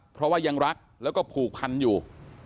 เพราะว่ายังรักแล้วก็ผูกพันอยู่